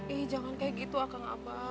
ih jangan kayak gitu abang